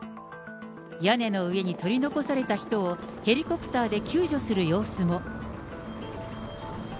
屋根の上に取り残された人をヘリコプターで救助する様子も。